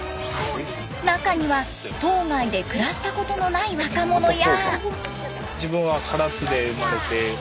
中には島外で暮らしたことのない若者や。